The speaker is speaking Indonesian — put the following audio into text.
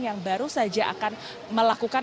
yang baru saja akan melakukan